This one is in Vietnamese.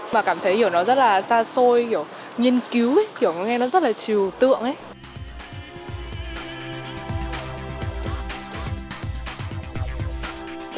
mà cảm thấy hiểu nó rất là xa xôi kiểu nghiên cứu ấy kiểu nghe nó rất là trìu tượng ấy